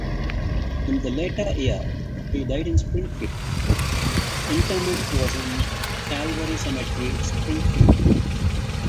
In the latter year, he died in Springfield; interment was in Calvary Cemetery, Springfield.